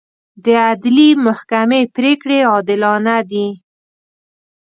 د عدلي محکمې پرېکړې عادلانه دي.